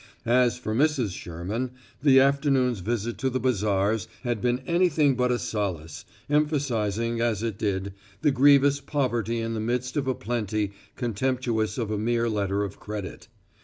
As for Mrs. Sherman, the afternoon's visit to the bazaars had been anything but a solace, emphasizing, as it did, their grievous poverty in the midst of a plenty contemptuous of a mere letter of credit.